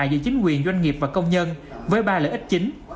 giữa chính quyền doanh nghiệp và công nhân với ba lợi ích chính